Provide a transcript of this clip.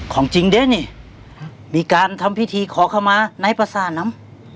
ก็จำได้ไปนี่กันน่ะ